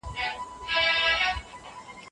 دوه بجې وې چې زه راوېښ شوم.